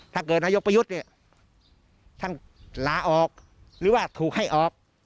ถ้าเกิดนายกประยุทธ์เนี่ยท่านลาออกหรือว่าถูกให้ออก